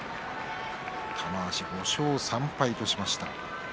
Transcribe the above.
玉鷲、５勝３敗としました。